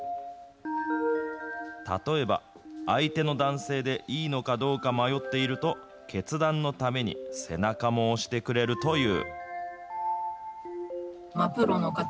例えば、相手の男性でいいのかどうか迷っていると、決断のために背中も押してくれるという。